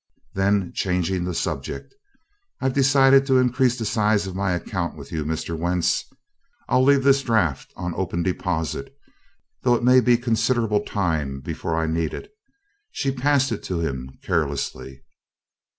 Then changing the subject: "I've decided to increase the size of my account with you, Mr. Wentz. I'll leave this draft on open deposit, though it may be considerable time before I need it." She passed it to him carelessly.